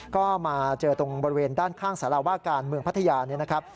ก็มาเจอตรงบริเวณด้านข้างสารว่าการเมืองพัทยาเนี่ยนะครับ